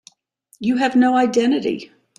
You have no identity.